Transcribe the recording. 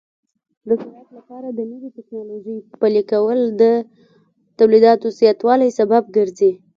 د زراعت لپاره د نوې ټکنالوژۍ پلي کول د تولیداتو زیاتوالي سبب ګرځي.